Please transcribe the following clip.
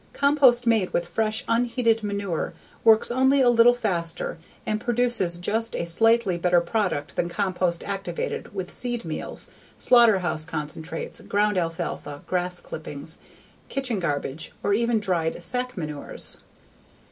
Compost made with fresh, unheated manure works only a little faster and produces just a slightly better product than compost activated with seed meals, slaughterhouse concentrates, ground alfalfa, grass clippings, kitchen garbage, or even dried, sacked manures.